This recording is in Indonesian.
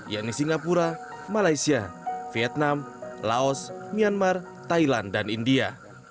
yakni singapura malaysia vietnam laos myanmar thailand dan india